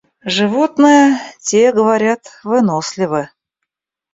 Животные, те, говорят, выносливы.